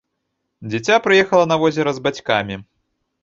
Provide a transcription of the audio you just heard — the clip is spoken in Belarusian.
Дзіця прыехала на возера з бацькамі.